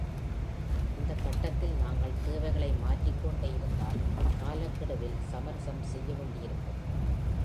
இந்த கட்டத்தில் நாங்கள் தேவைகளை மாற்றிக்கொண்டே இருந்தால், காலக்கெடவில் சமரசம் செய்யவேண்டியிருக்கும்.